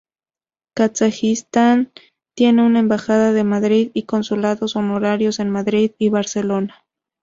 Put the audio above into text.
Kazajistán tiene una embajada en Madrid y consulados honorarios en Madrid y Barcelona.